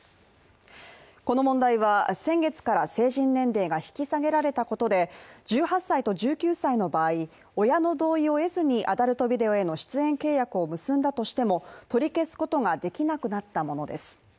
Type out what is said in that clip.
この問題は先月から成人年齢が引き下げられたことで、１８歳と１９歳の場合、親の同意を得ずにアダルトビデオへの出演契約を結んだとしても取り消すことができなくなったものです。